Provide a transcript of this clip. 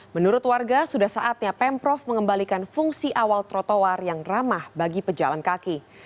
menurut warga sudah saatnya pemprov mengembalikan fungsi awal trotoar yang ramah bagi pejalan kaki